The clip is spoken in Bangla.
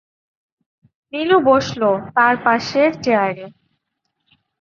নীলু বসল তাঁর পাশের চেয়ারে।